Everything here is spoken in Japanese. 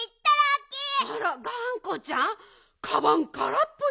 あらがんこちゃんかばんからっぽよ！